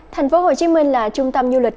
thành phố hồ chí minh là trung tâm du lịch